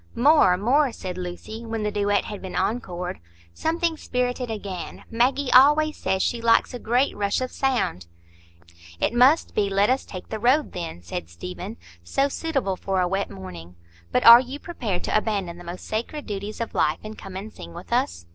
"More, more!" said Lucy, when the duet had been encored. "Something spirited again. Maggie always says she likes a great rush of sound." "It must be 'Let us take the road,' then," said Stephen,—"so suitable for a wet morning. But are you prepared to abandon the most sacred duties of life, and come and sing with us?"